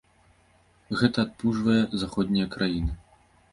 Гэта адпужвае заходнія краіны.